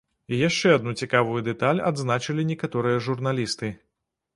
І яшчэ адну цікавую дэталь адзначылі некаторыя журналісты.